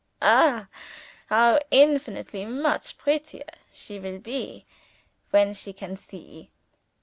Ah, how infinitely much prettier she will be, when she can see!"